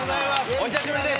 お久しぶりです。